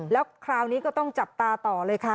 แล้วคราวนี้ก็ต้องจับตาต่อเลยค่ะ